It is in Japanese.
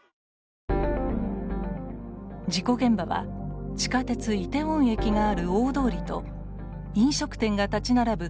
事故現場は地下鉄イテウォン駅がある「大通り」と飲食店が立ち並ぶ